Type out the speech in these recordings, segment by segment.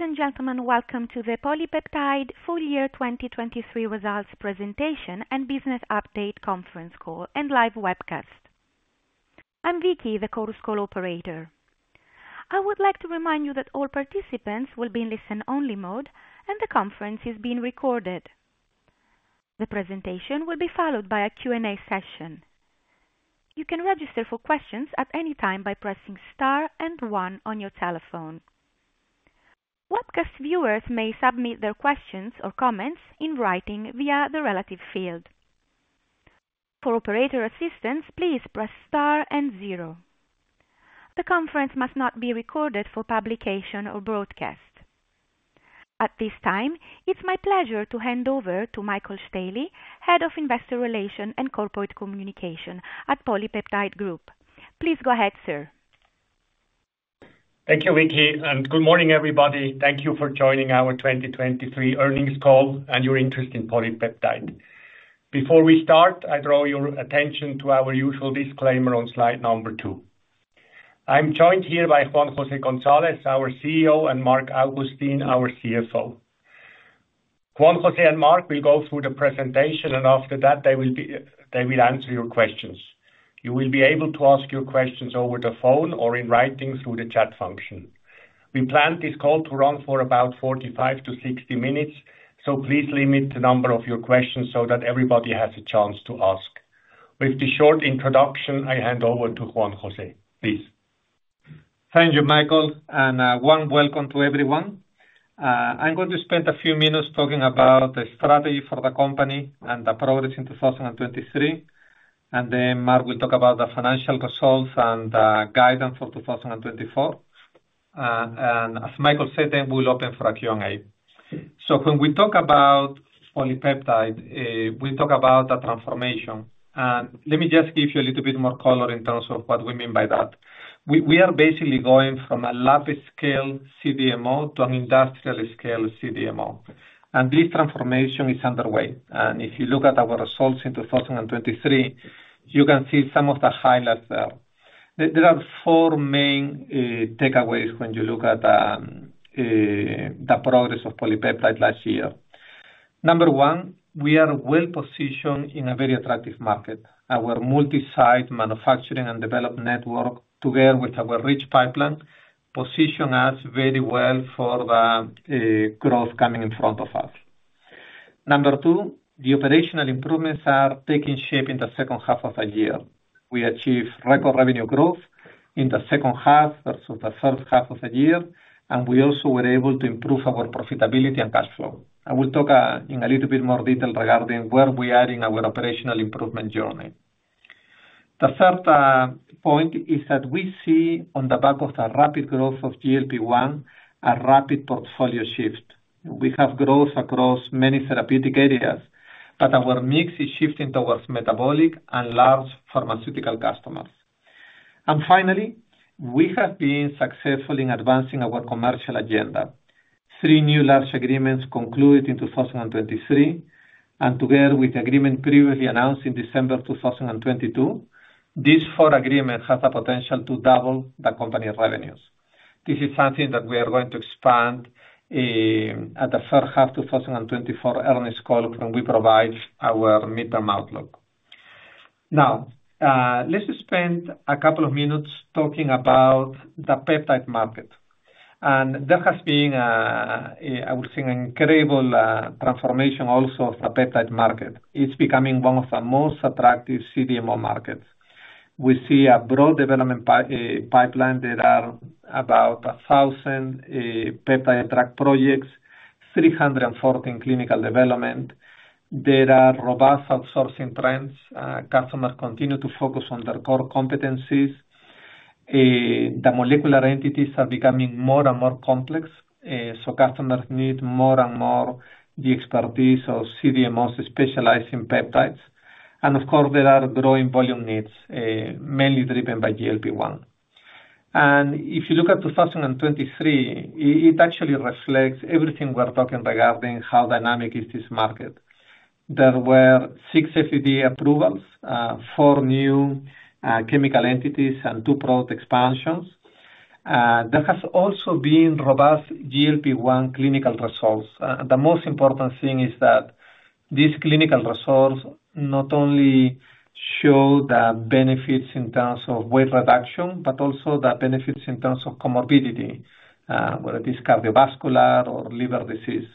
Ladies and gentlemen, welcome to the PolyPeptide Full Year 2023 Results Presentation and Business Update Conference Call and live webcast. I'm Vicky, the Chorus Call operator. I would like to remind you that all participants will be in listen-only mode, and the conference is being recorded. The presentation will be followed by a Q&A session. You can register for questions at any time by pressing star and one on your telephone. Webcast viewers may submit their questions or comments in writing via the relevant field. For operator assistance, please press star and 0. The conference must not be recorded for publication or broadcast. At this time, it's my pleasure to hand over to Michael Stäheli, Head of Investor Relations and Corporate Communications at PolyPeptide Group. Please go ahead, sir. Thank you, Vicky, and good morning, everybody. Thank you for joining our 2023 earnings call and your interest in PolyPeptide. Before we start, I draw your attention to our usual disclaimer on slide number two. I'm joined here by Juan José Gonzalez, our CEO, and Marc Augustin, our CFO. Juan José and Marc will go through the presentation, and after that, they will answer your questions. You will be able to ask your questions over the phone or in writing through the chat function. We planned this call to run for about 45-60 minutes, so please limit the number of your questions so that everybody has a chance to ask. With the short introduction, I hand over to Juan José. Please. Thank you, Michael, and warm welcome to everyone. I'm going to spend a few minutes talking about the strategy for the company and the progress in 2023, and then Marc will talk about the financial results and guidance for 2024. And as Michael said, then we'll open for a Q&A. So when we talk about PolyPeptide, we talk about the transformation. And let me just give you a little bit more color in terms of what we mean by that. We are basically going from a lab scale CDMO to an industrial scale CDMO. And this transformation is underway. And if you look at our results in 2023, you can see some of the highlights there. There are four main takeaways when you look at the progress of PolyPeptide last year. Number one, we are well positioned in a very attractive market. Our multi-site manufacturing and development network, together with our rich pipeline, position us very well for the growth coming in front of us. Number two, the operational improvements are taking shape in the second half of the year. We achieved record revenue growth in the second half versus the first half of the year, and we also were able to improve our profitability and cash flow. I will talk in a little bit more detail regarding where we are in our operational improvement journey. The third point is that we see, on the back of the rapid growth of GLP-1, a rapid portfolio shift. We have growth across many therapeutic areas, but our mix is shifting towards metabolic and large pharmaceutical customers. Finally, we have been successful in advancing our commercial agenda. Three new large agreements concluded in 2023, and together with the agreement previously announced in December 2022, these four agreements have the potential to double the company revenues. This is something that we are going to expand at the first half of 2024 earnings call when we provide our mid-term outlook. Now, let's spend a couple of minutes talking about the peptide market. And there has been, I would say, an incredible transformation also of the peptide market. It's becoming one of the most attractive CDMO markets. We see a broad development pipeline. There are about 1,000 peptide drug projects, 314 clinical development. There are robust outsourcing trends. Customers continue to focus on their core competencies. The molecular entities are becoming more and more complex, so customers need more and more the expertise of CDMOs specialized in peptides. And of course, there are growing volume needs, mainly driven by GLP-1. If you look at 2023, it actually reflects everything we're talking regarding how dynamic this market is. There were six FDA approvals, four new chemical entities, and two product expansions. There has also been robust GLP-1 clinical results. The most important thing is that these clinical results not only show the benefits in terms of weight reduction, but also the benefits in terms of comorbidity, whether it is cardiovascular or liver disease.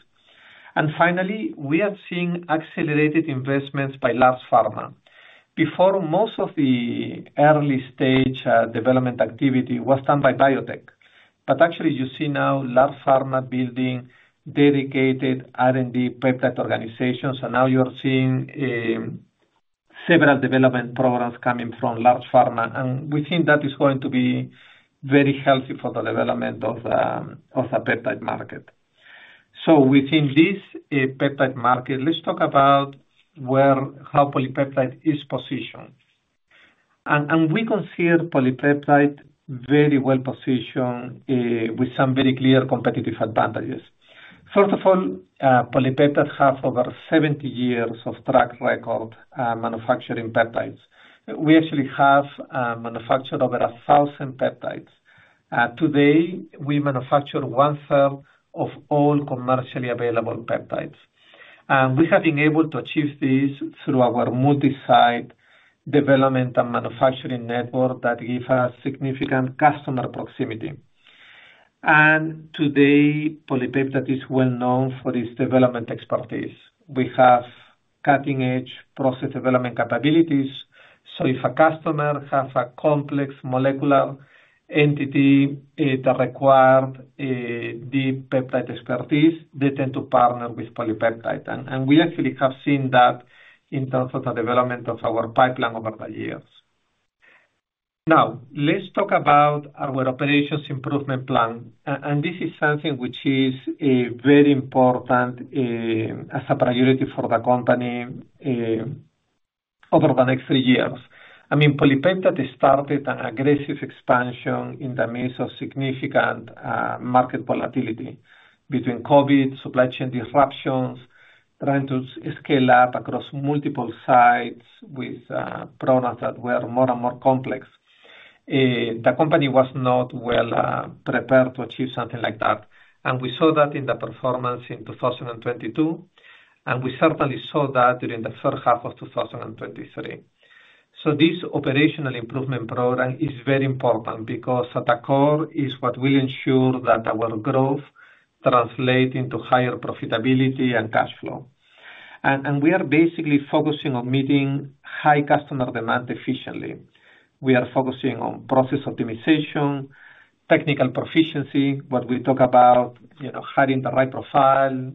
Finally, we are seeing accelerated investments by large pharma. Before, most of the early-stage development activity was done by biotech, but actually, you see now large pharma building dedicated R&D peptide organizations, and now you are seeing several development programs coming from large pharma. We think that is going to be very healthy for the development of the peptide market. Within this peptide market, let's talk about how PolyPeptide is positioned. We consider PolyPeptide very well positioned with some very clear competitive advantages. First of all, PolyPeptide has over 70 years of track record manufacturing peptides. We actually have manufactured over 1,000 peptides. Today, we manufacture one-third of all commercially available peptides. We have been able to achieve this through our multi-site development and manufacturing network that gives us significant customer proximity. Today, PolyPeptide is well known for its development expertise. We have cutting-edge process development capabilities. So if a customer has a complex molecular entity that requires deep peptide expertise, they tend to partner with PolyPeptide. We actually have seen that in terms of the development of our pipeline over the years. Now, let's talk about our operations improvement plan. This is something which is very important as a priority for the company over the next three years. I mean, PolyPeptide started an aggressive expansion in the midst of significant market volatility between COVID, supply chain disruptions, trying to scale up across multiple sites with programs that were more and more complex. The company was not well prepared to achieve something like that. And we saw that in the performance in 2022, and we certainly saw that during the first half of 2023. So this operational improvement program is very important because at the core is what will ensure that our growth translates into higher profitability and cash flow. And we are basically focusing on meeting high customer demand efficiently. We are focusing on process optimization, technical proficiency, what we talk about, hiring the right profile,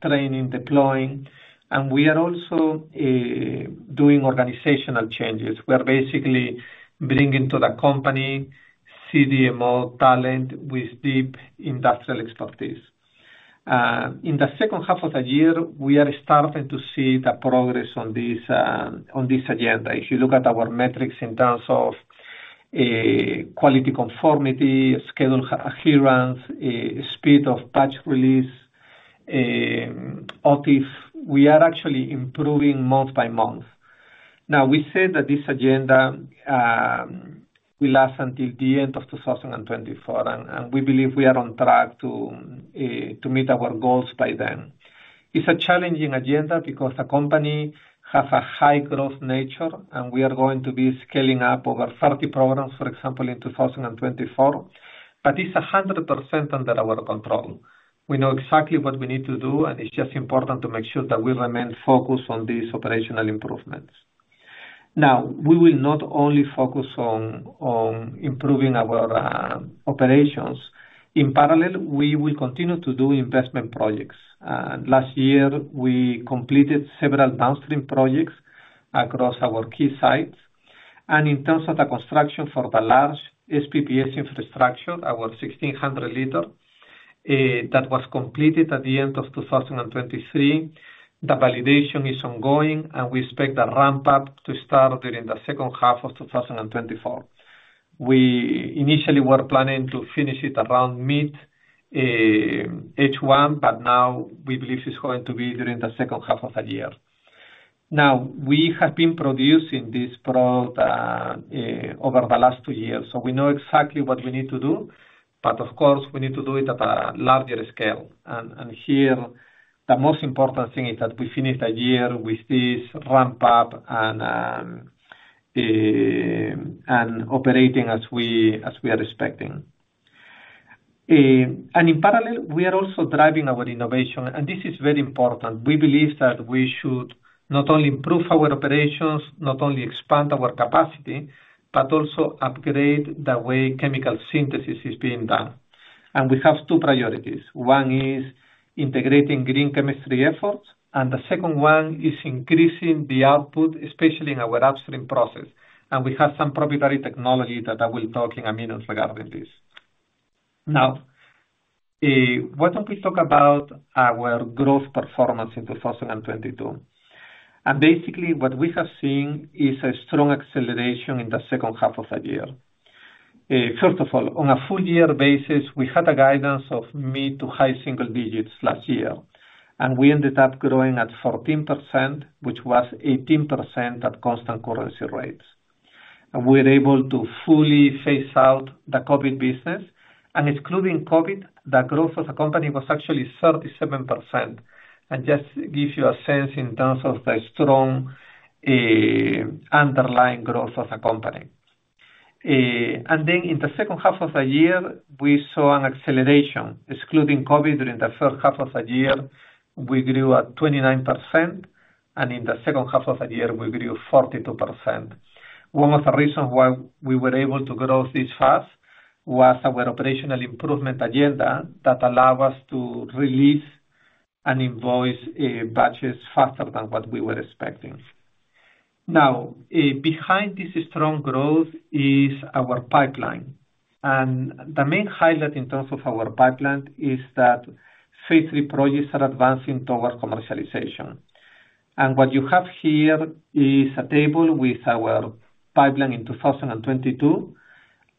training, deploying. And we are also doing organizational changes. We are basically bringing to the company CDMO talent with deep industrial expertise. In the second half of the year, we are starting to see the progress on this agenda. If you look at our metrics in terms of quality conformity, schedule adherence, speed of batch release, OTIF, we are actually improving month by month. Now, we said that this agenda will last until the end of 2024, and we believe we are on track to meet our goals by then. It's a challenging agenda because the company has a high-growth nature, and we are going to be scaling up over 30 programs, for example, in 2024. But it's 100% under our control. We know exactly what we need to do, and it's just important to make sure that we remain focused on these operational improvements. Now, we will not only focus on improving our operations. In parallel, we will continue to do investment projects. Last year, we completed several downstream projects across our key sites. In terms of the construction for the large SPPS infrastructure, our 1,600-liter, that was completed at the end of 2023, the validation is ongoing, and we expect the ramp-up to start during the second half of 2024. We initially were planning to finish it around mid-H1, but now we believe it's going to be during the second half of the year. Now, we have been producing this product over the last two years, so we know exactly what we need to do, but of course, we need to do it at a larger scale. Here, the most important thing is that we finish the year with this ramp-up and operating as we are expecting. In parallel, we are also driving our innovation. This is very important. We believe that we should not only improve our operations, not only expand our capacity, but also upgrade the way chemical synthesis is being done. We have two priorities. One is integrating green chemistry efforts, and the second one is increasing the output, especially in our upstream process. We have some proprietary technology that I will talk in a minute regarding this. Now, why don't we talk about our growth performance in 2022? Basically, what we have seen is a strong acceleration in the second half of the year. First of all, on a full-year basis, we had a guidance of mid to high single digits last year, and we ended up growing at 14%, which was 18% at constant currency rates. We were able to fully phase out the COVID business. Excluding COVID, the growth of the company was actually 37%, and just give you a sense in terms of the strong underlying growth of the company. Then in the second half of the year, we saw an acceleration. Excluding COVID, during the first half of the year, we grew at 29%, and in the second half of the year, we grew 42%. One of the reasons why we were able to grow this fast was our operational improvement agenda that allowed us to release and invoice batches faster than what we were expecting. Now, behind this strong growth is our pipeline. And the main highlight in terms of our pipeline is that phase three projects are advancing towards commercialization. What you have here is a table with our pipeline in 2022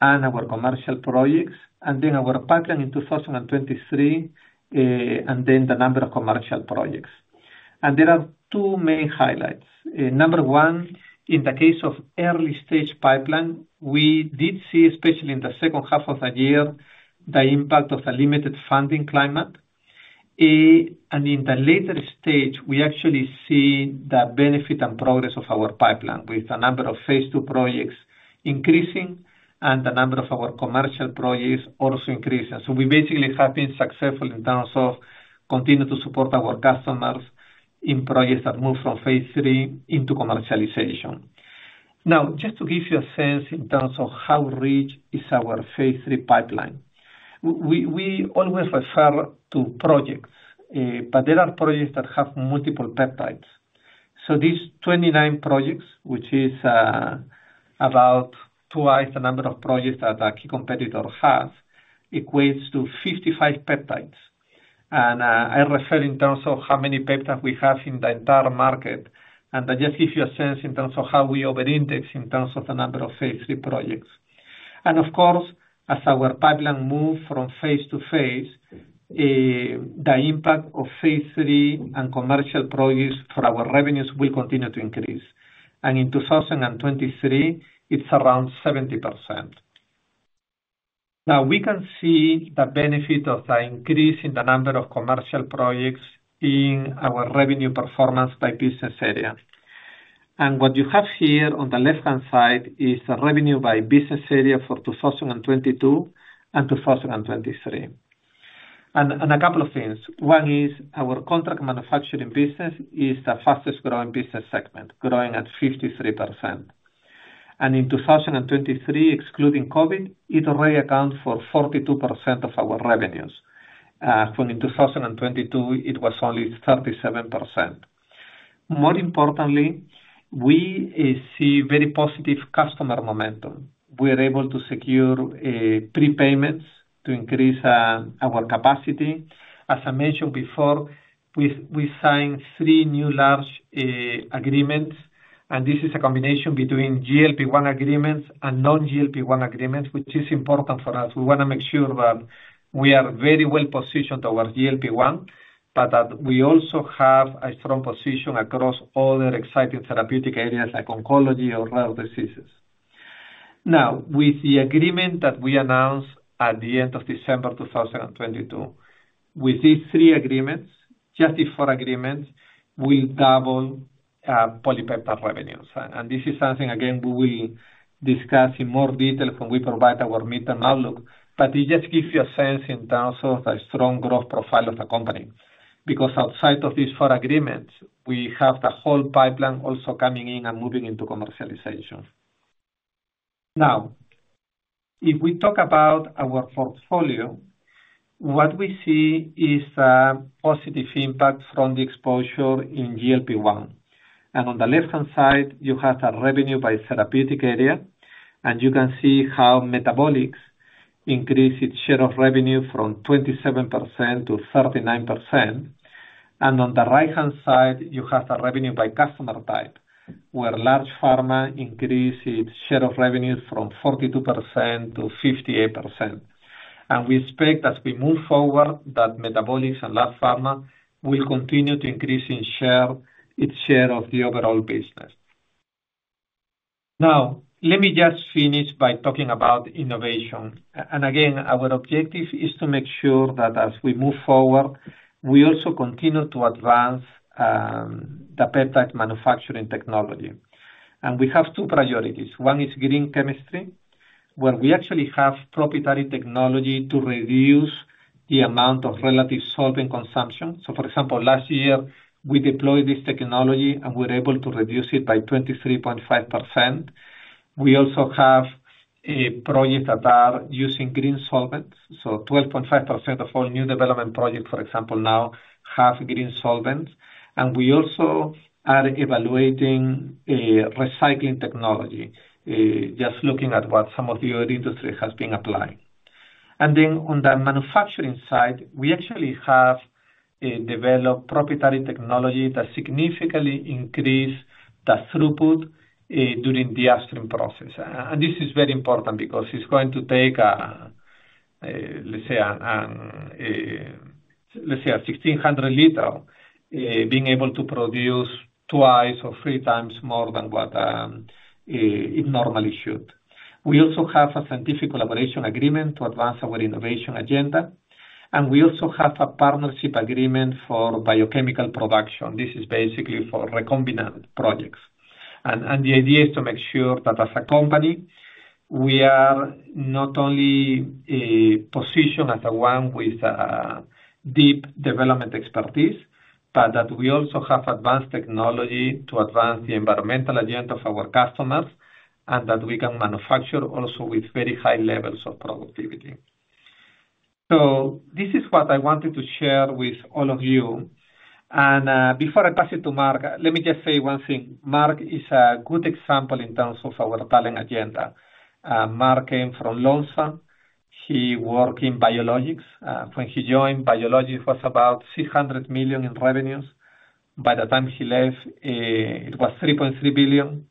and our commercial projects, and then our pipeline in 2023, and then the number of commercial projects. There are two main highlights. Number one, in the case of early-stage pipeline, we did see, especially in the second half of the year, the impact of the limited funding climate. In the later stage, we actually see the benefit and progress of our pipeline, with the number of phase two projects increasing and the number of our commercial projects also increasing. So we basically have been successful in terms of continuing to support our customers in projects that move from phase three into commercialization. Now, just to give you a sense in terms of how rich our phase three pipeline is, we always refer to projects, but there are projects that have multiple peptides. These 29 projects, which is about twice the number of projects that a key competitor has, equates to 55 peptides. I refer in terms of how many peptides we have in the entire market, and that just gives you a sense in terms of how we over-index in terms of the number of phase three projects. Of course, as our pipeline moves from phase to phase, the impact of phase three and commercial projects for our revenues will continue to increase. In 2023, it's around 70%. Now, we can see the benefit of the increase in the number of commercial projects in our revenue performance by business area. What you have here on the left-hand side is the revenue by business area for 2022 and 2023. A couple of things. One is our contract manufacturing business is the fastest-growing business segment, growing at 53%. In 2023, excluding COVID, it already accounts for 42% of our revenues, when in 2022, it was only 37%. More importantly, we see very positive customer momentum. We are able to secure prepayments to increase our capacity. As I mentioned before, we signed three new large agreements, and this is a combination between GLP-1 agreements and non-GLP-1 agreements, which is important for us. We want to make sure that we are very well positioned towards GLP-1, but that we also have a strong position across other exciting therapeutic areas like oncology or rare diseases. Now, with the agreement that we announced at the end of December 2022, with these three agreements, just these four agreements, we'll double PolyPeptide revenues. This is something, again, we will discuss in more detail when we provide our mid-term outlook, but it just gives you a sense in terms of the strong growth profile of the company because outside of these four agreements, we have the whole pipeline also coming in and moving into commercialization. Now, if we talk about our portfolio, what we see is a positive impact from the exposure in GLP-1. On the left-hand side, you have the revenue by therapeutic area, and you can see how metabolics increased its share of revenue from 27% to 39%. On the right-hand side, you have the revenue by customer type, where large pharma increased its share of revenue from 42% to 58%. We expect, as we move forward, that metabolics and large pharma will continue to increase its share of the overall business. Now, let me just finish by talking about innovation. Again, our objective is to make sure that as we move forward, we also continue to advance the peptide manufacturing technology. We have two priorities. One is green chemistry, where we actually have proprietary technology to reduce the amount of relative solvent consumption. So for example, last year, we deployed this technology, and we were able to reduce it by 23.5%. We also have projects that are using green solvents. So 12.5% of all new development projects, for example, now have green solvents. We also are evaluating recycling technology, just looking at what some of the other industry has been applying. Then on the manufacturing side, we actually have developed proprietary technology that significantly increased the throughput during the upstream process. This is very important because it's going to take, let's say, a 1,600-liter, being able to produce twice or three times more than what it normally should. We also have a scientific collaboration agreement to advance our innovation agenda. We also have a partnership agreement for biochemical production. This is basically for recombinant projects. The idea is to make sure that as a company, we are not only positioned as the one with deep development expertise, but that we also have advanced technology to advance the environmental agenda of our customers, and that we can manufacture also with very high levels of productivity. This is what I wanted to share with all of you. Before I pass it to Marc, let me just say one thing. Marc is a good example in terms of our talent agenda. Marc came from Lonza. He worked in biologics. When he joined, biologics was about 600 million in revenues. By the time he left, it was 3.3 billion.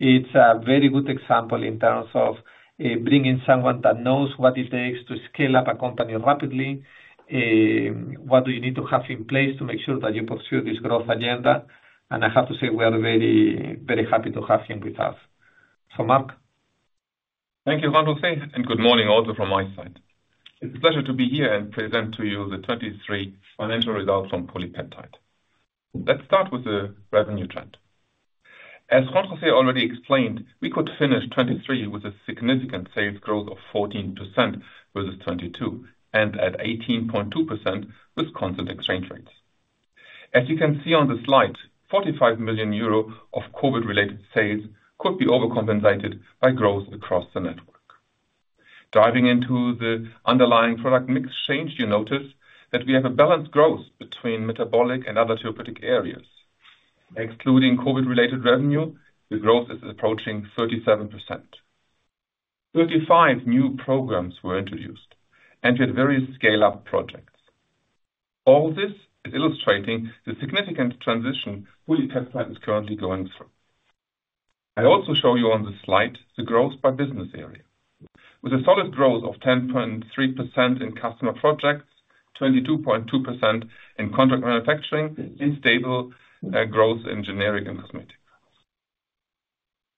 It's a very good example in terms of bringing someone that knows what it takes to scale up a company rapidly, what do you need to have in place to make sure that you pursue this growth agenda. And I have to say, we are very, very happy to have him with us. So Marc. Thank you, Juan José. Good morning also from my side. It's a pleasure to be here and present to you the 2023 financial results from PolyPeptide. Let's start with the revenue trend. As Juan José already explained, we could finish 2023 with a significant sales growth of 14% versus 2022, and at 18.2% with constant exchange rates. As you can see on the slide, 45 million euro of COVID-related sales could be overcompensated by growth across the network. Driving into the underlying product mix change, you notice that we have a balanced growth between metabolics and other therapeutic areas. Excluding COVID-related revenue, the growth is approaching 37%. 35 new programs were introduced, and we had various scale-up projects. All this is illustrating the significant transition PolyPeptide is currently going through. I also show you on the slide the growth by business area, with a solid growth of 10.3% in customer projects, 22.2% in contract manufacturing, and stable growth in generic and cosmetics.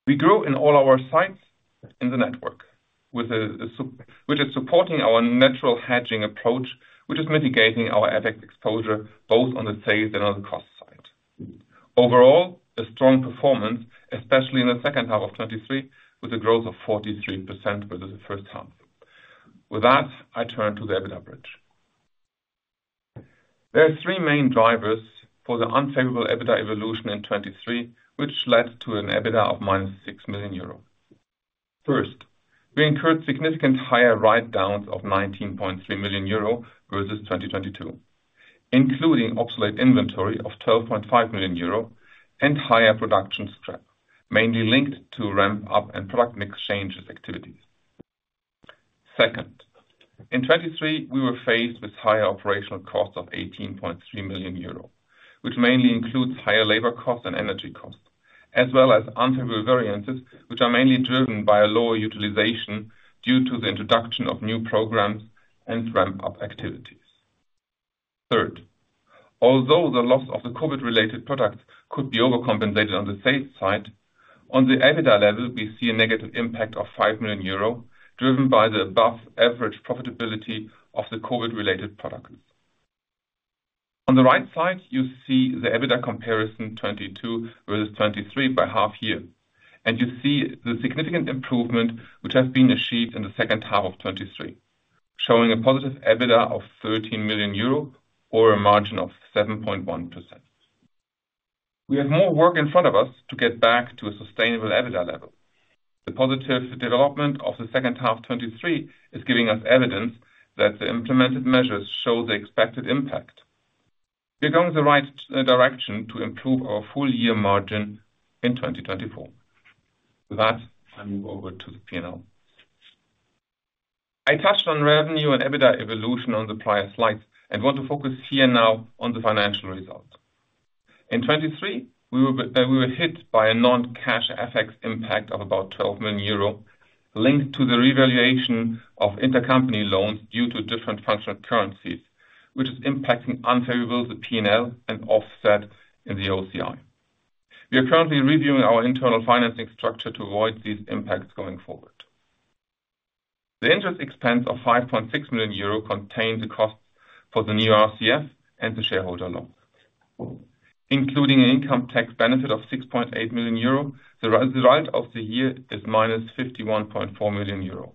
We grow in all our sites in the network, which is supporting our natural hedging approach, which is mitigating our effect exposure both on the sales and on the cost side. Overall, a strong performance, especially in the second half of 2023, with a growth of 43% versus the first half. With that, I turn to the EBITDA bridge. There are three main drivers for the unfavorable EBITDA evolution in 2023, which led to an EBITDA of 6 million euro. First, we incurred significant higher write-downs of 19.3 million euro versus 2022, including obsolete inventory of 12.5 million euro and higher production scrap, mainly linked to ramp-up and product mix changes activities. Second, in 2023, we were faced with higher operational costs of 18.3 million euros, which mainly includes higher labor costs and energy costs, as well as unfavorable variances, which are mainly driven by a lower utilization due to the introduction of new programs and ramp-up activities. Third, although the loss of the COVID-related products could be overcompensated on the sales side, on the EBITDA level, we see a negative impact of 5 million euro driven by the above-average profitability of the COVID-related products. On the right side, you see the EBITDA comparison 2022 versus 2023 by half year. And you see the significant improvement which has been achieved in the second half of 2023, showing a positive EBITDA of 13 million euro or a margin of 7.1%. We have more work in front of us to get back to a sustainable EBITDA level. The positive development of the second half of 2023 is giving us evidence that the implemented measures show the expected impact. We are going the right direction to improve our full-year margin in 2024. With that, I move over to the P&L. I touched on revenue and EBITDA evolution on the prior slides and want to focus here now on the financial results. In 2023, we were hit by a non-cash effects impact of about 12 million euro linked to the revaluation of intercompany loans due to different functional currencies, which is impacting unfavorably the P&L and offset in the OCI. We are currently reviewing our internal financing structure to avoid these impacts going forward. The interest expense of 5.6 million euro contains the costs for the new RCF and the shareholder loan. Including an income tax benefit of 6.8 million euro, the result of the year is minus 51.4 million euro.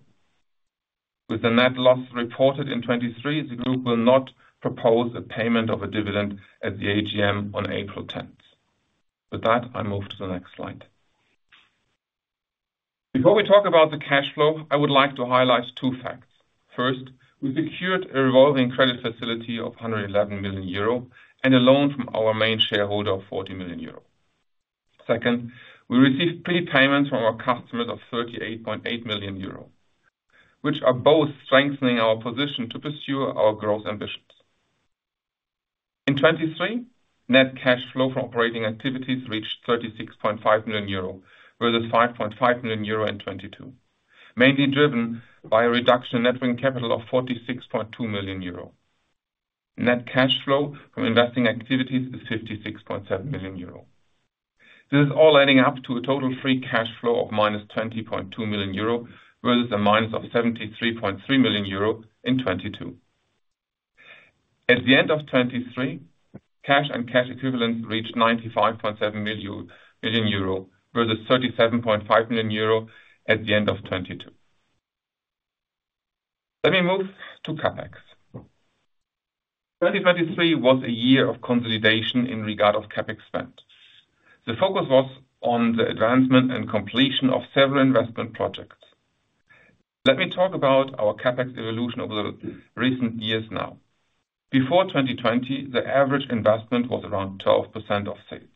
With the net loss reported in 2023, the group will not propose a payment of a dividend at the AGM on April 10th. With that, I move to the next slide. Before we talk about the cash flow, I would like to highlight two facts. First, we secured a revolving credit facility of 111 million euro and a loan from our main shareholder of 40 million euro. Second, we received prepayments from our customers of 38.8 million euro, which are both strengthening our position to pursue our growth ambitions. In 2023, net cash flow from operating activities reached 36.5 million euro versus 5.5 million euro in 2022, mainly driven by a reduction in net working capital of 46.2 million euro. Net cash flow from investing activities is -56.7 million euro. This is all adding up to a total free cash flow of -20.2 million euro versus a -73.3 million euro in 2022. At the end of 2023, cash and cash equivalents reached 95.7 million euro versus 37.5 million euro at the end of 2022. Let me move to CapEx. 2023 was a year of consolidation in regard of CapEx spend. The focus was on the advancement and completion of several investment projects. Let me talk about our CapEx evolution over the recent years now. Before 2020, the average investment was around 12% of sales,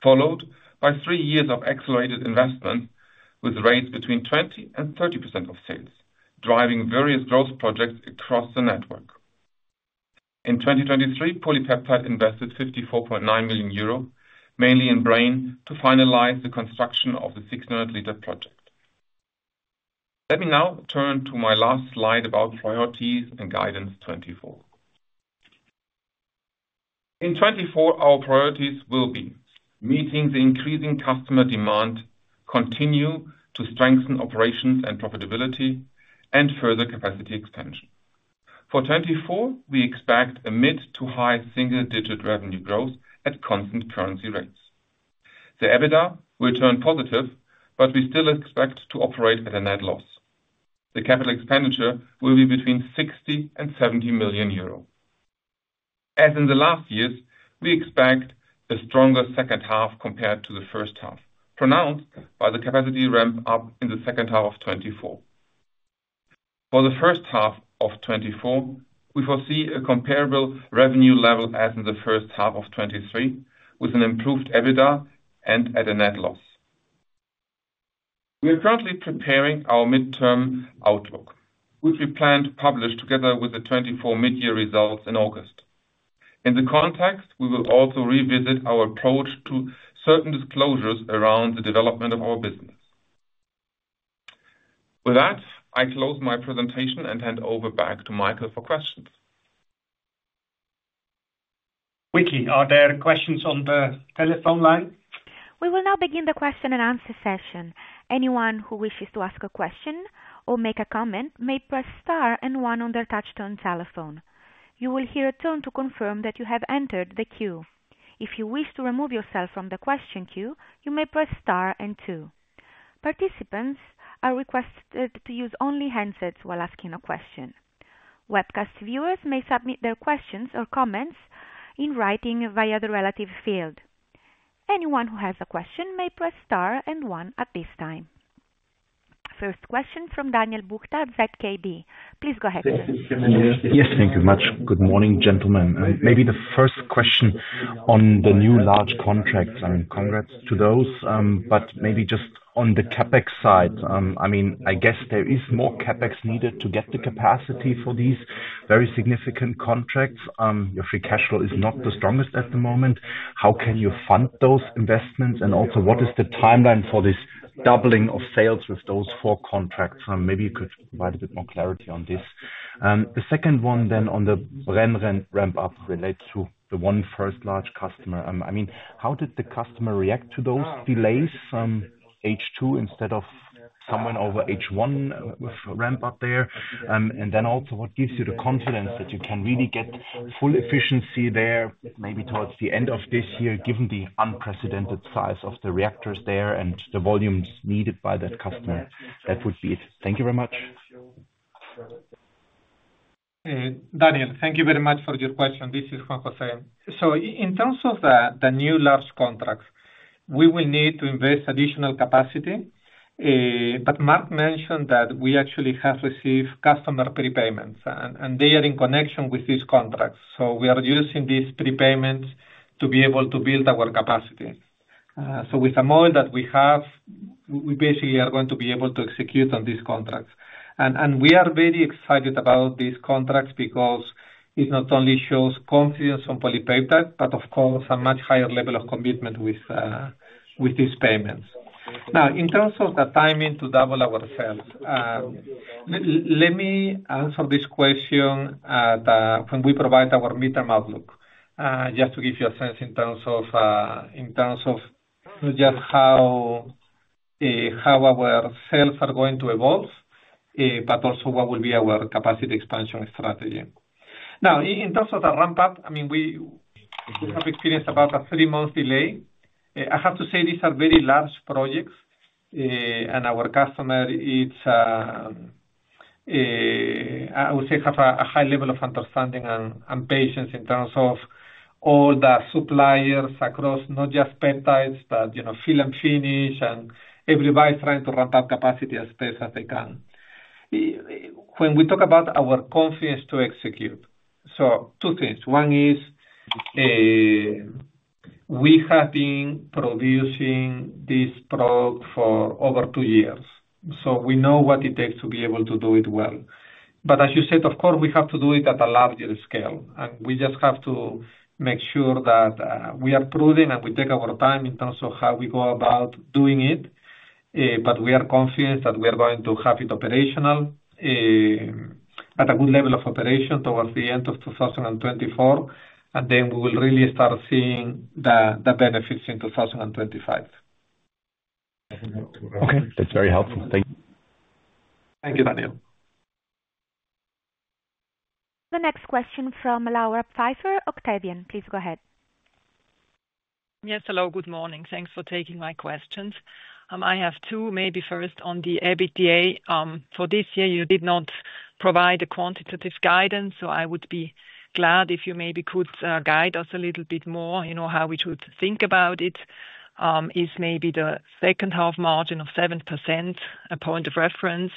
followed by three years of accelerated investments with rates between 20%-30% of sales, driving various growth projects across the network. In 2023, PolyPeptide invested 54.9 million euro, mainly in Braine, to finalize the construction of the 600-liter project. Let me now turn to my last slide about priorities and guidance 2024. In 2024, our priorities will be meeting the increasing customer demand, continue to strengthen operations and profitability, and further capacity expansion. For 2024, we expect a mid to high single-digit revenue growth at constant currency rates. The EBITDA will turn positive, but we still expect to operate at a net loss. The capital expenditure will be between 60-70 million euro. As in the last years, we expect a stronger second half compared to the first half, pronounced by the capacity ramp-up in the second half of 2024. For the first half of 2024, we foresee a comparable revenue level as in the first half of 2023, with an improved EBITDA and at a net loss. We are currently preparing our mid-term outlook, which we plan to publish together with the 2024 mid-year results in August. In the context, we will also revisit our approach to certain disclosures around the development of our business. With that, I close my presentation and hand over back to Michael for questions. Vicky, are there questions on the telephone line? We will now begin the question-and-answer session. Anyone who wishes to ask a question or make a comment may press star and one on their touch-tone telephone. You will hear a tone to confirm that you have entered the queue. If you wish to remove yourself from the question queue, you may press star and two. Participants are requested to use only headsets while asking a question. Webcast viewers may submit their questions or comments in writing via the relevant field. Anyone who has a question may press star and one at this time. First question from Daniel Buchta, ZKB. Please go ahead. Yes, thank you very much. Good morning, gentlemen. Maybe the first question on the new large contracts. I mean, congrats to those. But maybe just on the CapEx side, I mean, I guess there is more CapEx needed to get the capacity for these very significant contracts. Your free cash flow is not the strongest at the moment. How can you fund those investments? And also, what is the timeline for this doubling of sales with those four contracts? Maybe you could provide a bit more clarity on this. The second one then on the ramp-up relates to the one first large customer. I mean, how did the customer react to those delays, H2 instead of somewhere over H1 ramp-up there? Then also, what gives you the confidence that you can really get full efficiency there maybe towards the end of this year, given the unprecedented size of the reactors there and the volumes needed by that customer? That would be it. Thank you very much. Daniel, thank you very much for your question. This is Juan José. So in terms of the new large contracts, we will need to invest additional capacity. But Marc mentioned that we actually have received customer prepayments, and they are in connection with these contracts. So we are using these prepayments to be able to build our capacity. So with the model that we have, we basically are going to be able to execute on these contracts. And we are very excited about these contracts because it not only shows confidence on PolyPeptide, but of course, a much higher level of commitment with these payments. Now, in terms of the timing to double our sales, let me answer this question when we provide our mid-term outlook, just to give you a sense in terms of just how our sales are going to evolve, but also what will be our capacity expansion strategy. Now, in terms of the ramp-up, I mean, we have experienced about a 3-month delay. I have to say, these are very large projects. And our customer, I would say, has a high level of understanding and patience in terms of all the suppliers across, not just peptides, but fill and finish. And everybody's trying to ramp up capacity as fast as they can. When we talk about our confidence to execute, so two things. One is we have been producing this product for over two years. So we know what it takes to be able to do it well. But as you said, of course, we have to do it at a larger scale. And we just have to make sure that we are prudent and we take our time in terms of how we go about doing it. But we are confident that we are going to have it operational, at a good level of operation toward the end of 2024. And then we will really start seeing the benefits in 2025. Okay. That's very helpful. Thank you. Thank you, Daniel. The next question from Laura Pfeifer, Octavian. Please go ahead. Yes. Hello. Good morning. Thanks for taking my questions. I have two. Maybe first on the EBITDA. For this year, you did not provide a quantitative guidance. So I would be glad if you maybe could guide us a little bit more how we should think about it. Is maybe the second-half margin of 7% a point of reference?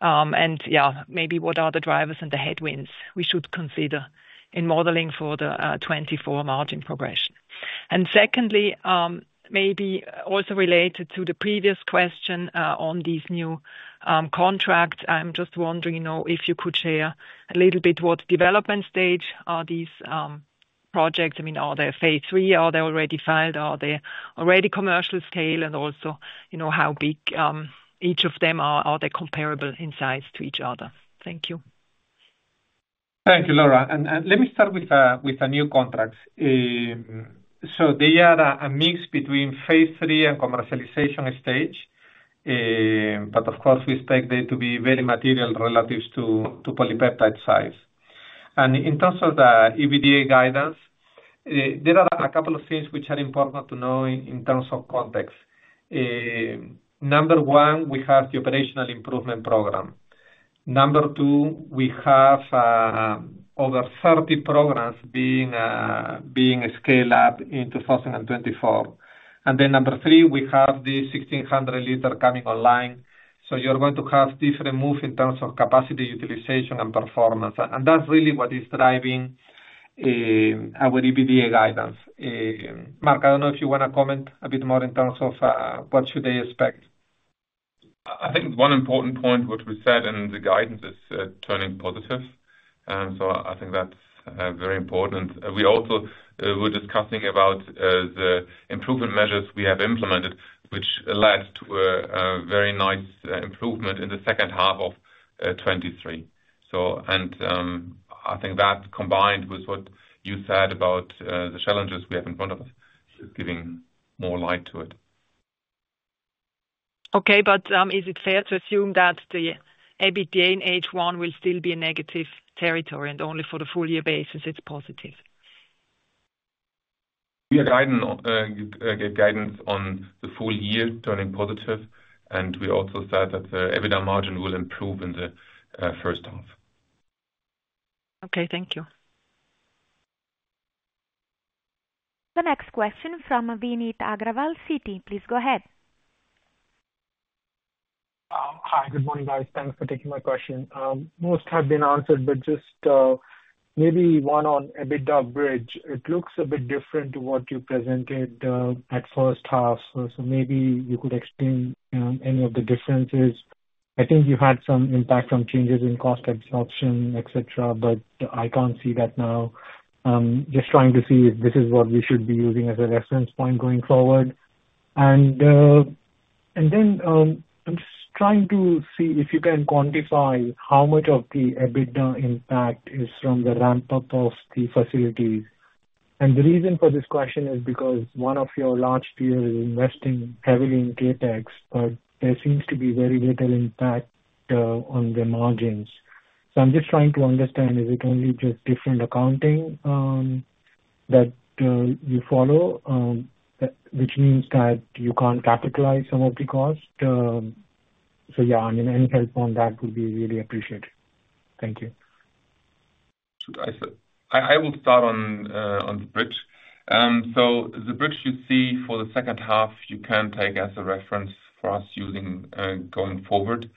And yeah, maybe what are the drivers and the headwinds we should consider in modeling for the 2024 margin progression? And secondly, maybe also related to the previous question on these new contracts, I'm just wondering if you could share a little bit what development stage are these projects? I mean, are they phase three? Are they already filed? Are they already commercial scale? And also, how big each of them are? Are they comparable in size to each other? Thank you. Thank you, Laura. Let me start with the new contracts. They are a mix between phase three and commercialization stage. But of course, we expect they to be very material relative to PolyPeptide size. In terms of the EBITDA guidance, there are a couple of things which are important to know in terms of context. Number one, we have the operational improvement program. Number two, we have over 30 programs being scaled up in 2024. Then number three, we have the 1,600-liter coming online. You're going to have different moves in terms of capacity utilization and performance. That's really what is driving our EBITDA guidance. Marc, I don't know if you want to comment a bit more in terms of what should they expect. I think one important point, which we said in the guidance, is turning positive. So I think that's very important. We also were discussing about the improvement measures we have implemented, which led to a very nice improvement in the second half of 2023. And I think that, combined with what you said about the challenges we have in front of us, is giving more light to it. Okay. But is it fair to assume that the EBITDA in H1 will still be a negative territory and only for the full-year basis since it's positive? We are giving guidance on the full year, turning positive. We also said that the EBITDA margin will improve in the first half. Okay. Thank you. The next question from Vineet Agrawal, Citi. Please go ahead. Hi. Good morning, guys. Thanks for taking my question. Most have been answered, but just maybe one on EBITDA bridge. It looks a bit different to what you presented at first half. So maybe you could explain any of the differences. I think you had some impact from changes in cost absorption, etc., but I can't see that now. Just trying to see if this is what we should be using as a reference point going forward. And then I'm just trying to see if you can quantify how much of the EBITDA impact is from the ramp-up of the facilities. And the reason for this question is because one of your large peers is investing heavily in CapEx, but there seems to be very little impact on the margins. So I'm just trying to understand, is it only just different accounting that you follow, which means that you can't capitalize some of the cost? So yeah, I mean, any help on that would be really appreciated. Thank you. I will start on the bridge. The bridge you see for the second half, you can take as a reference for us going forward.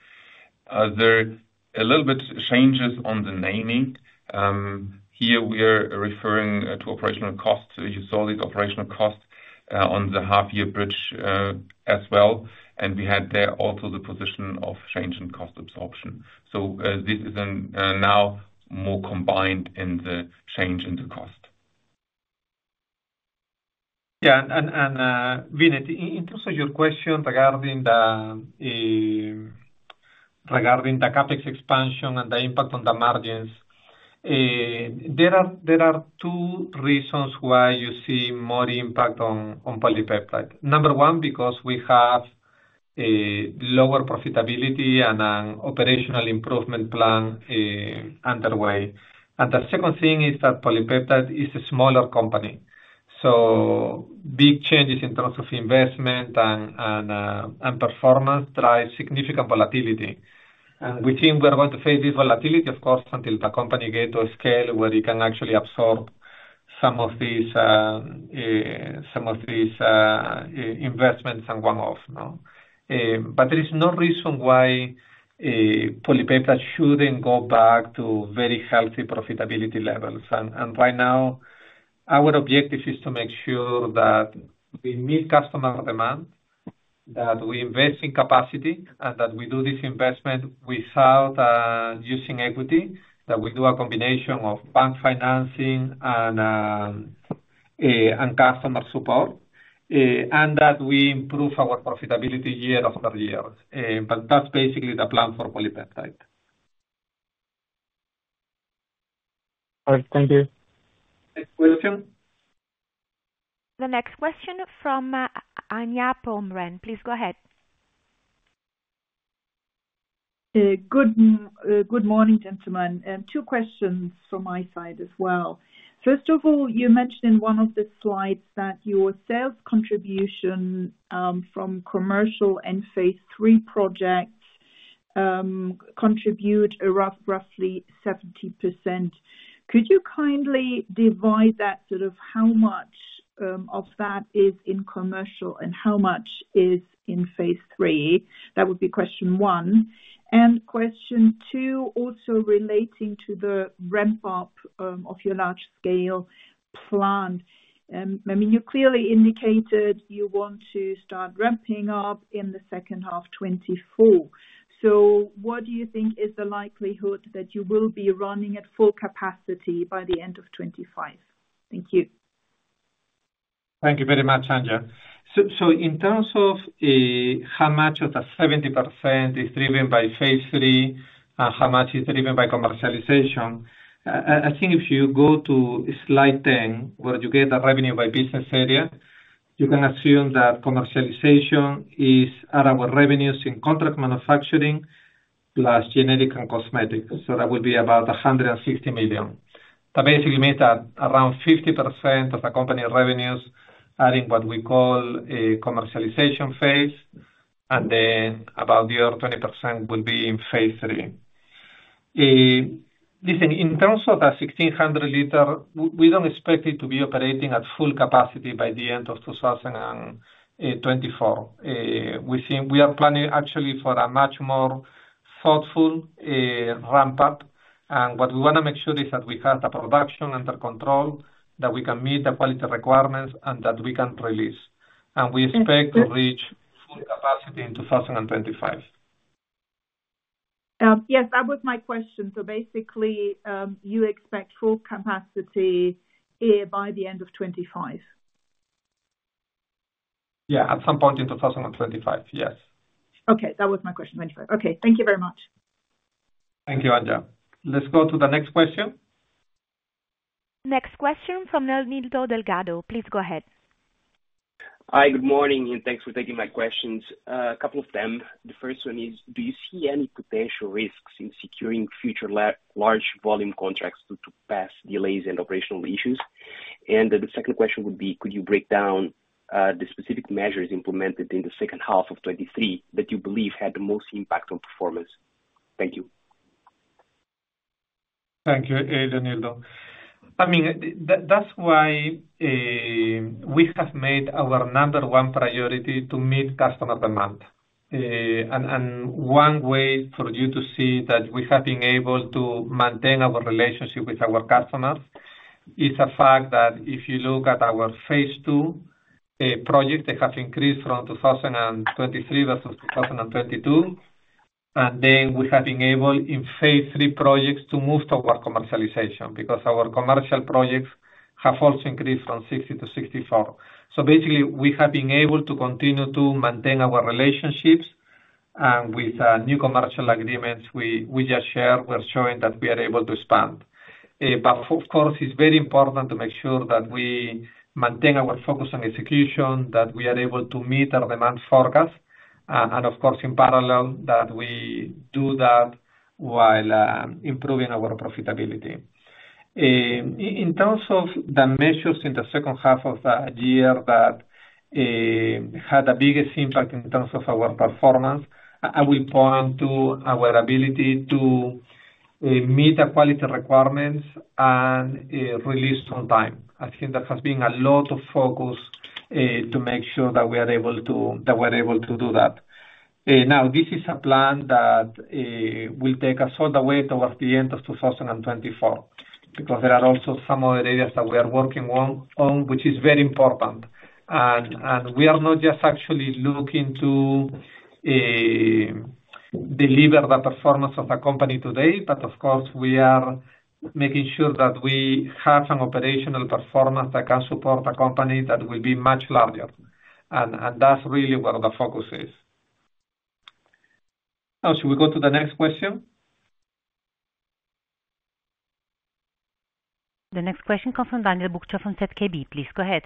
There are a little bit of changes on the naming. Here, we are referring to operational cost. You saw these operational costs on the half-year bridge as well. We had there also the position of change in cost absorption. This is now more combined in the change in the cost. Yeah. And Vineet, in terms of your question regarding the CapEx expansion and the impact on the margins, there are two reasons why you see more impact on PolyPeptide. Number one, because we have lower profitability and an operational improvement plan underway. And the second thing is that PolyPeptide is a smaller company. So big changes in terms of investment and performance drive significant volatility. And we think we are going to face this volatility, of course, until the company gets to a scale where it can actually absorb some of these investments and one-off, no? But there is no reason why PolyPeptide shouldn't go back to very healthy profitability levels. Right now, our objective is to make sure that we meet customer demand, that we invest in capacity, and that we do this investment without using equity, that we do a combination of bank financing and customer support, and that we improve our profitability year after year. That's basically the plan for PolyPeptide. All right. Thank you. Next question. The next question from Anja Pomrehn. Please go ahead. Good morning, gentlemen. Two questions from my side as well. First of all, you mentioned in one of the slides that your sales contribution from commercial and phase three projects contribute roughly 70%. Could you kindly divide that sort of how much of that is in commercial and how much is in phase three? That would be question one. And question two, also relating to the ramp-up of your large-scale plant. I mean, you clearly indicated you want to start ramping up in the second half 2024. So what do you think is the likelihood that you will be running at full capacity by the end of 2025? Thank you. Thank you very much, Anya. So in terms of how much of the 70% is driven by phase three and how much is driven by commercialization, I think if you go to slide 10, where you get the revenue by business area, you can assume that commercialization is add our revenues in contract manufacturing plus genetic and cosmetics. So that will be about 160 million. That basically means that around 50% of the company revenues are in what we call commercialization phase. And then about the other 20% will be in phase three. Listen, in terms of the 1,600-liter, we don't expect it to be operating at full capacity by the end of 2024. We are planning, actually, for a much more thoughtful ramp-up. What we want to make sure is that we have the production under control, that we can meet the quality requirements, and that we can release. We expect to reach full capacity in 2025. Yes. That was my question. So basically, you expect full capacity by the end of 2025? Yeah. At some point in 2025, yes. Okay. That was my question. 2025. Okay. Thank you very much. Thank you, Anya. Let's go to the next question. Next question from Nildo Delgado. Please go ahead. Hi. Good morning. Thanks for taking my questions. A couple of them. The first one is, do you see any potential risks in securing future large-volume contracts due to past delays and operational issues? The second question would be, could you break down the specific measures implemented in the second half of 2023 that you believe had the most impact on performance? Thank you. Thank you, Ada Nildo. I mean, that's why we have made our number one priority to meet customer demand. One way for you to see that we have been able to maintain our relationship with our customers is the fact that if you look at our phase two project, they have increased from 2023 versus 2022. Then we have been able, in phase three projects, to move toward commercialization because our commercial projects have also increased from 60 to 64. Basically, we have been able to continue to maintain our relationships. With new commercial agreements we just shared, we're showing that we are able to expand. But of course, it's very important to make sure that we maintain our focus on execution, that we are able to meet our demand forecast, and of course, in parallel, that we do that while improving our profitability. In terms of the measures in the second half of the year that had the biggest impact in terms of our performance, I will point to our ability to meet the quality requirements and release on time. I think there has been a lot of focus to make sure that we're able to do that. Now, this is a plan that will take us all the way towards the end of 2024 because there are also some other areas that we are working on, which is very important. And we are not just actually looking to deliver the performance of the company today, but of course, we are making sure that we have an operational performance that can support a company that will be much larger. And that's really where the focus is. Now, should we go to the next question? The next question comes from Daniel Buchta from ZKB. Please go ahead.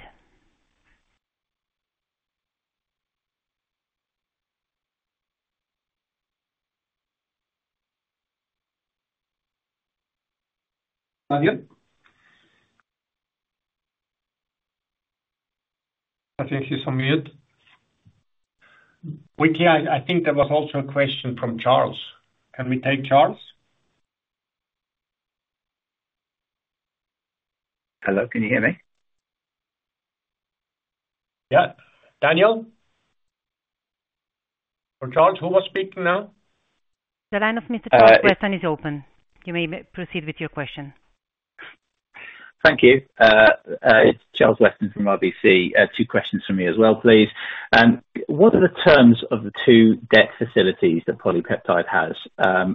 Daniel? I think he's on mute. Wait. Yeah. I think there was also a question from Charles. Can we take Charles? Hello. Can you hear me? Yeah. Daniel? Or Charles? Who was speaking now? The line of Mr. Charles Weston is open. You may proceed with your question. Thank you. It's Charles Weston from RBC. Two questions from me as well, please. What are the terms of the two debt facilities that PolyPeptide has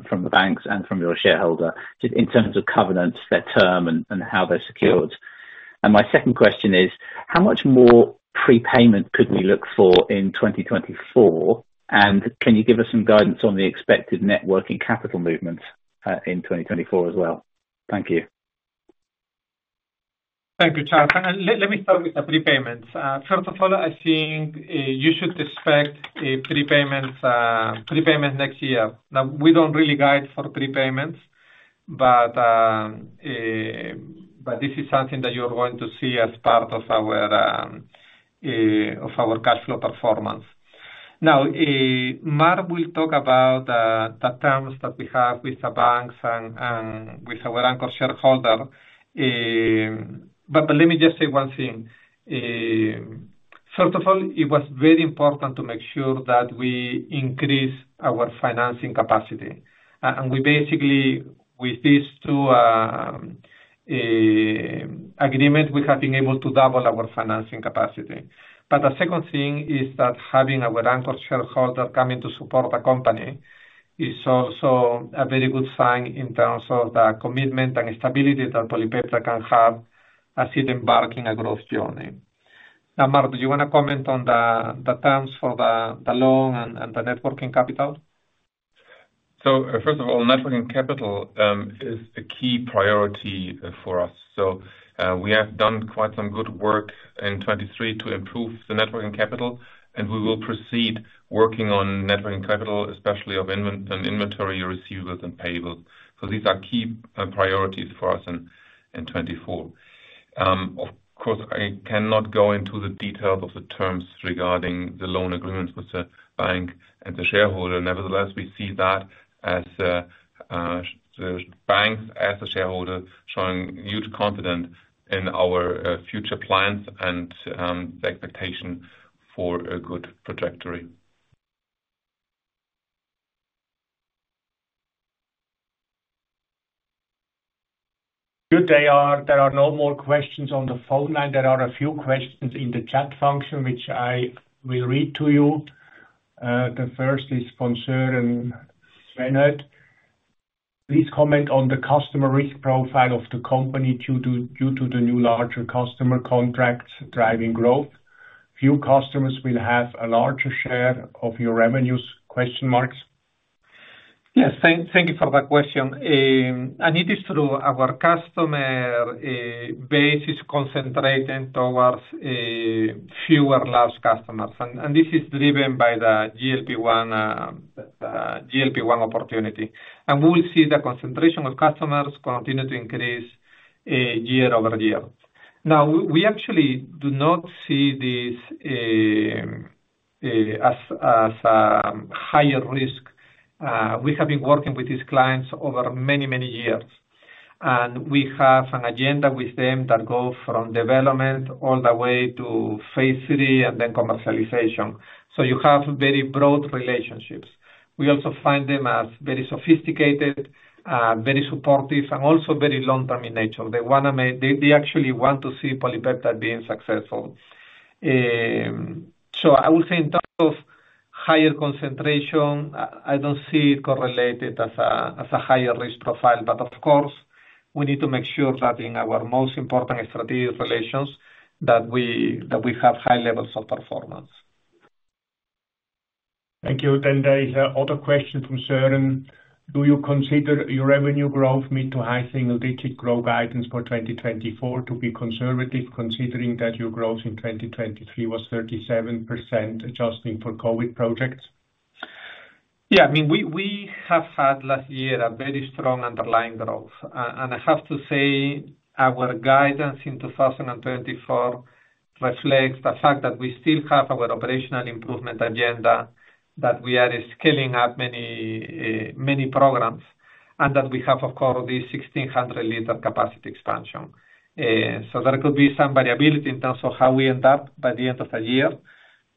from the banks and from your shareholder just in terms of covenants, their term, and how they're secured? And my second question is, how much more prepayment could we look for in 2024? And can you give us some guidance on the expected net working capital movements in 2024 as well? Thank you. Thank you, Charles. Let me start with the prepayments. First of all, I think you should expect prepayments next year. Now, we don't really guide for prepayments, but this is something that you're going to see as part of our cash flow performance. Now, Marc will talk about the terms that we have with the banks and with our anchor shareholder. Let me just say one thing. First of all, it was very important to make sure that we increase our financing capacity. Basically, with these two agreements, we have been able to double our financing capacity. The second thing is that having our anchor shareholder come in to support the company is also a very good sign in terms of the commitment and stability that PolyPeptide can have as it embarks on a growth journey. Now, Marc, do you want to comment on the terms for the loan and the working capital? So first of all, net working capital is a key priority for us. We have done quite some good work in 2023 to improve the net working capital. We will proceed working on net working capital, especially of inventory, receivables, and payables. These are key priorities for us in 2024. Of course, I cannot go into the details of the terms regarding the loan agreements with the bank and the shareholder. Nevertheless, we see that as the banks and the shareholder showing huge confidence in our future plans and the expectation for a good trajectory. Good, Dayar. There are no more questions on the phone line. There are a few questions in the chat function, which I will read to you. The first is from [Søren Svenhøydt]. Please comment on the customer risk profile of the company due to the new larger customer contracts driving growth. Few customers will have a larger share of your revenues? Yes. Thank you for that question. It is true. Our customer base is concentrated towards fewer large customers. This is driven by the GLP-1 opportunity. We will see the concentration of customers continue to increase year-over-year. Now, we actually do not see this as a higher risk. We have been working with these clients over many, many years. We have an agenda with them that goes from development all the way to phase three and then commercialization. So you have very broad relationships. We also find them as very sophisticated, very supportive, and also very long-term in nature. They actually want to see PolyPeptide being successful. I would say in terms of higher concentration, I don't see it correlated as a higher risk profile. But of course, we need to make sure that in our most important strategic relations, that we have high levels of performance. Thank you. Then there is another question from Søren. Do you consider your revenue growth mid to high single-digit growth guidance for 2024 to be conservative considering that your growth in 2023 was 37% adjusting for COVID projects? Yeah. I mean, we have had last year a very strong underlying growth. And I have to say our guidance in 2024 reflects the fact that we still have our operational improvement agenda, that we are scaling up many programs, and that we have, of course, this 1,600-liter capacity expansion. So there could be some variability in terms of how we end up by the end of the year.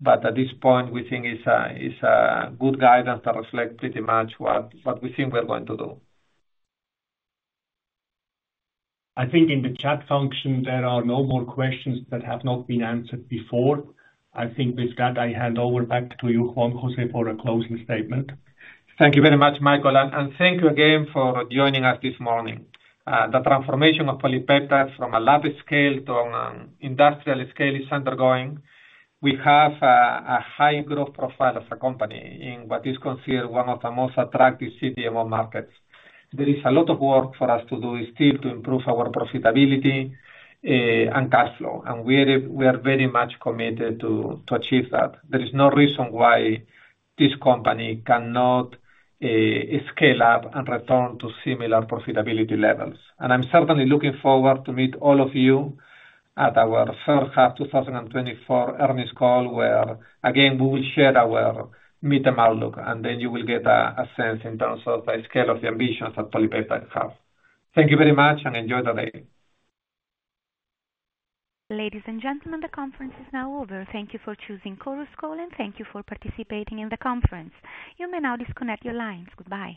But at this point, we think it's a good guidance that reflects pretty much what we think we're going to do. I think in the chat function, there are no more questions that have not been answered before. I think with that, I hand over back to you, Juan José, for a closing statement. Thank you very much, Michael. Thank you again for joining us this morning. The transformation of PolyPeptide from a lab scale to an industrial scale is undergoing. We have a high growth profile as a company in what is considered one of the most attractive CDMO markets. There is a lot of work for us to do still to improve our profitability and cash flow. We are very much committed to achieve that. There is no reason why this company cannot scale up and return to similar profitability levels. I'm certainly looking forward to meet all of you at our third half 2024 earnings call where, again, we will share our midterm outlook. And then you will get a sense in terms of the scale of the ambitions that PolyPeptide has. Thank you very much. And enjoy the day. Ladies and gentlemen, the conference is now over. Thank you for choosing Chorus Call. Thank you for participating in the conference. You may now disconnect your lines. Goodbye.